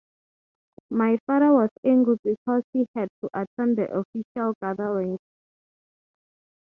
My father was angry because he had to attend the official gatherings.